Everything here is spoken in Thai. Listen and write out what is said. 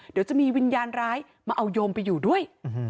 เดี๋ยวจะมีวิญญาณร้ายมาเอาโยมไปอยู่ด้วย